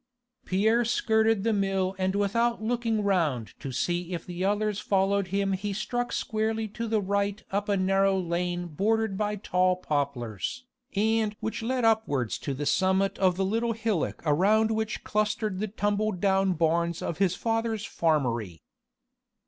Pierre skirted the mill and without looking round to see if the others followed him he struck squarely to the right up a narrow lane bordered by tall poplars, and which led upwards to the summit of the little hillock around which clustered the tumble down barns of his father's farmery.